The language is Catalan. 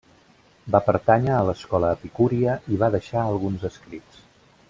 Va pertànyer a l'escola epicúria i va deixar alguns escrits.